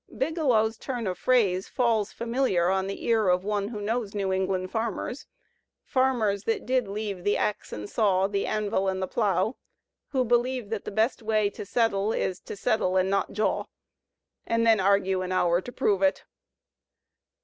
Biglow's turn of phrase falls f amiUar on the ear of one who knows New England farmers — farmers that did leave "the ax an' saw," "the anvil an' the plow," who believe that the best way to settle "is to settle an' not jaw" — and then argue an hour to prove it.